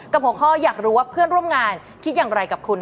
หัวข้ออยากรู้ว่าเพื่อนร่วมงานคิดอย่างไรกับคุณ